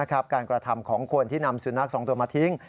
กระทำของคนที่นำสุนัข๒ตัวมาทิ้ง